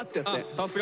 さすが。